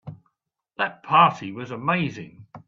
That party was amazing.